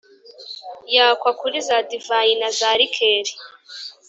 yakwa kuri za divayi na za likeri